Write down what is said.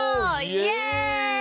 イエイ！